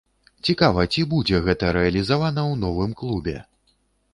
Цікава, ці будзе гэта рэалізавана ў новым клубе?